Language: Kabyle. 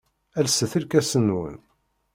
Lset irkasen-nwen.